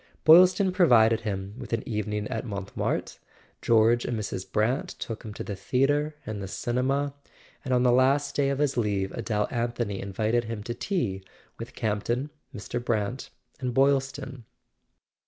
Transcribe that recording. Boylston pro¬ vided him with an evening at Montmartre, George and Mrs. Brant took him to the theatre and the cinema, and on the last day of his leave Adele Anthony invited him to tea with Campton, Mr. Brant and Boylston.